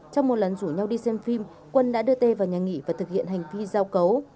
trong một lần rủ nhau đi xem phim quân đã đưa tê vào nhà nghỉ và thực hiện hành vi giao cấu